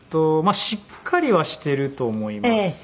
しっかりはしてると思います。